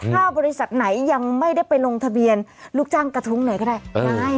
ถ้าบริษัทไหนยังไม่ได้ไปลงทะเบียนลูกจ้างกระทุ้งไหนก็ได้